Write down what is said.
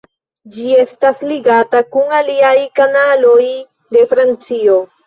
Ĝi estas ligata kun aliaj kanaloj de Francio.